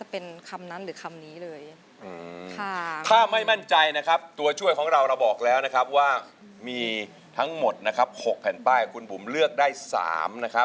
เพลงที่๓นะครับมูลค่า๒๐๐๐๐บาทนะครับคุณบุ๋ม